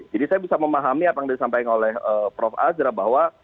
jadi saya bisa memahami apa yang disampaikan oleh prof azra bahwa